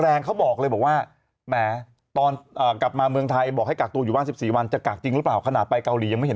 อะไรกฏทั้งเมื่อกี้พี่แเร็งเขาบอกเลยว่าให้กักตัวอยู่ว่าน๑๔วันจะกักจริงหรือเปล่า